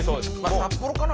札幌かな？